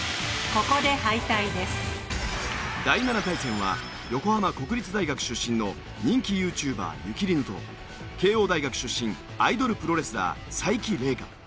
第７対戦は横浜国立大学出身の人気ＹｏｕＴｕｂｅｒゆきりぬと慶應大学出身アイドルプロレスラー才木玲佳。